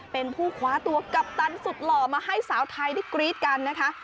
เป็นผู้คว้าตัวกัปตันสุดหล่อมาให้สาวไทยได้กรี๊ดกันนะคะ